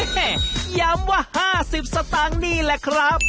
ย้ำว่า๕๐สตางค์นี่แหละครับ